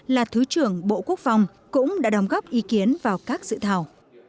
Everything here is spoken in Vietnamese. là thứ trưởng bộ quốc phòng cũng đã đóng góp ý kiến vào các dự thảo